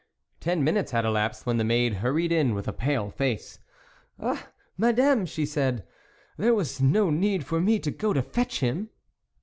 Ten minutes had elapsed when the maid hurried in with a pale face. " Ah ! Madame," she said, " there was no need for me to go to fetch him."